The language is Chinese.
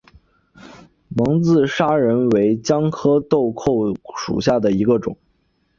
蒙自砂仁为姜科豆蔻属下的一个种。